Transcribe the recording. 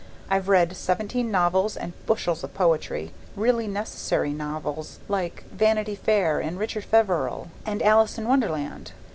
I've read seventeen novels and bushels of poetry really necessary novels like Vanity Fair and Richard Feverel and Alice in Wonderland.